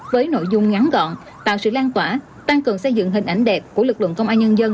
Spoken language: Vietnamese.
với nội dung ngắn gọn tạo sự lan tỏa tăng cường xây dựng hình ảnh đẹp của lực lượng công an nhân dân